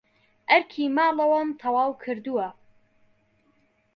ئەرکی ماڵەوەم تەواو کردووە.